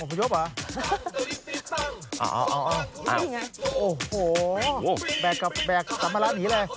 โอ้โฮแบกกลับมาร้านอีกแล้ว